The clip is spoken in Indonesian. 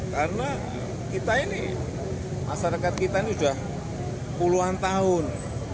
karena kita ini masyarakat kita ini sudah puluhan tahun